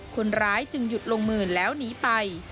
คนร้ายจึงหยุดลงมือแล้วหนีไป